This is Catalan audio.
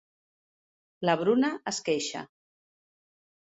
La Bruna es queixa.